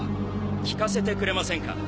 聞かせてくれませんか？